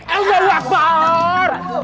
eh allah akbar